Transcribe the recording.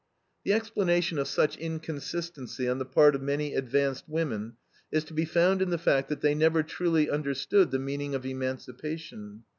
The explanation of such inconsistency on the part of many advanced women is to be found in the fact that they never truly understood the meaning of emancipation.